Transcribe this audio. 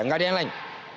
nggak ada yang lain